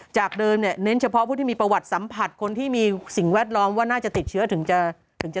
จากเดิมเนี่ยเน้นเฉพาะผู้ที่มีประวัติสัมผัสคนที่มีสิ่งแวดล้อมว่าน่าจะติดเชื้อถึงจะถึงจะ